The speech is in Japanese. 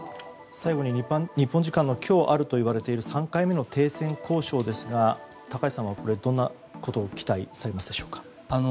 最後に日本時間の今日あるといわれている３回目の停戦交渉ですが高橋さんはどんなことを期待されますか。